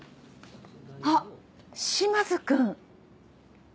あっ島津君。